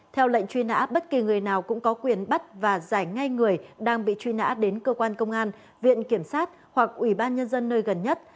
theo lệnh truy nã bất kỳ người nào cũng có quyền bắt và giải ngay người đang bị truy nã đến cơ quan công an viện kiểm sát hoặc ủy ban nhân dân nơi gần nhất